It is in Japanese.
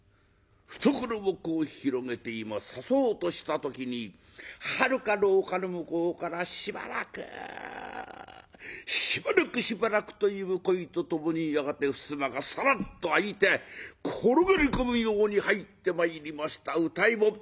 懐をこう広げて今刺そうとした時にはるか廊下の向こうから「しばらく！しばらくしばらく」という声とともにやがて襖がサラッと開いて転がり込むように入ってまいりました歌右衛門。